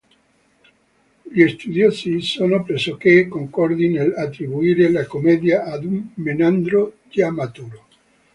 Gli studiosi sono pressoché concordi nell'attribuire la commedia ad un Menandro già maturo.